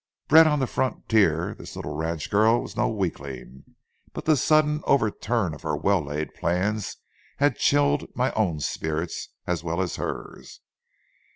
Bred on the frontier, this little ranch girl was no weakling; but the sudden overturn of our well laid plans had chilled my own spirits as well as hers.